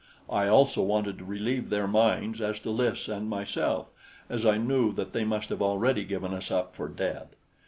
I also wanted to relieve their minds as to Lys and myself, as I knew that they must have already given us up for dead.